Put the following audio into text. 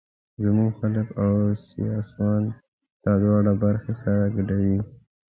زموږ خلک او سیاسون دا دواړه برخې سره ګډوي.